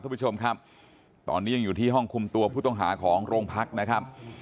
คุณผู้ชมครับตอนนี้ยังอยู่ที่ห้องคุมตัวผู้ต้องหาของโรงพักนะครับ